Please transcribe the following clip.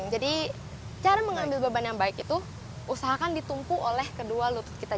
jadi cara mengambil beban yang baik itu usahakan ditumpu oleh kedua lutut kita